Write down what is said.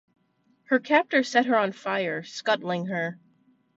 Her captor set her on fire, scuttling her.